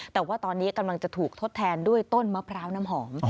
แต่ว่าตอนนี้กำลังจะถูกทดแทนด้วยต้นมะพร้าวน้ำหอม